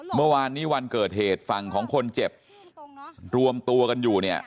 เมื่อวานนี้วันเกิดเหตุฝั่งของคนเจ็บรวมตัวกันอยู่เนี่ย